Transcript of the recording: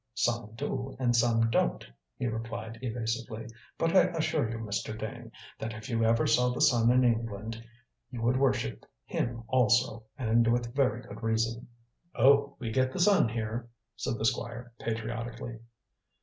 "Some do and some don't," he replied evasively; "but I assure you, Mr. Dane, that if you ever saw the sun in England you would worship him also, and with very good reason." "Oh, we get the sun here," said the Squire patriotically.